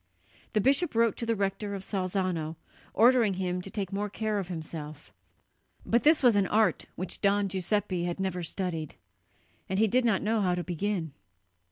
The bishop wrote to the rector of Salzano, ordering him to take more care of himself; but this was an art which Don Giuseppe had never studied, and he did not know how to begin.